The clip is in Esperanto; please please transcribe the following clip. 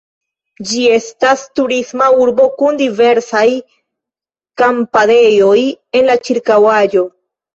Ĝi estas turisma urbo kun diversaj kampadejoj en la ĉirkaŭaĵo.